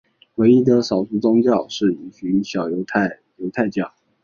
唯一的少数宗教是一小群犹太教徒。